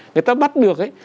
người ta bắt được ấy